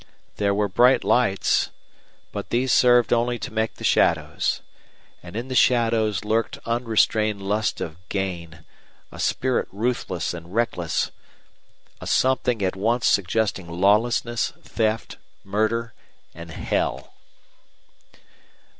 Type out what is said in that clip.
There were bright lights, but these served only to make the shadows. And in the shadows lurked unrestrained lust of gain, a spirit ruthless and reckless, a something at once suggesting lawlessness, theft, murder, and hell.